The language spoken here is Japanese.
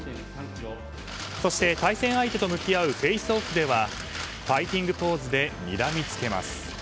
そして対戦相手と向き合うフェイスオフではファイティングポーズでにらみつけます。